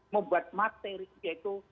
membuat materi yaitu